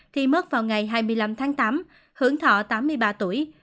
thì mất vào ngày hai mươi năm tháng tám hưởng thọ tám mươi ba tuổi